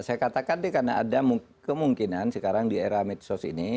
saya katakan deh karena ada kemungkinan sekarang di era medsos ini